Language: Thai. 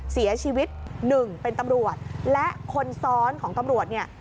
เสียชีวิตหนึ่งเป็นตำรวจและคนซ้อนของตำรวจเนี่ย